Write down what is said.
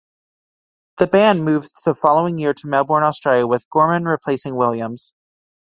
The band moved the following year to Melbourne, Australia, with Gorman replacing Williams.